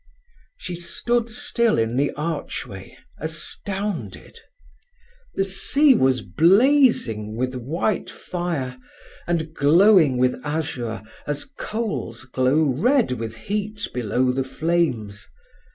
She stood still in the archway, astounded. The sea was blazing with white fire, and glowing with azure as coals glow red with heat below the flames.